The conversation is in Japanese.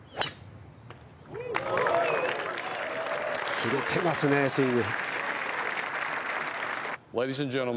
切れてますね、スイング。